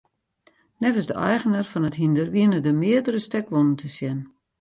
Neffens de eigener fan it hynder wiene der meardere stekwûnen te sjen.